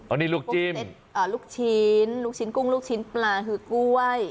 อันนี้ลูกจิ้มลูกชิ้นลูกชิ้นกุ้งลูกชิ้นปลาคือกล้วย